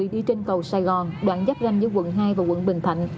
đi trên cầu sài gòn đoạn dắp ranh giữa quận hai và quận bình thạnh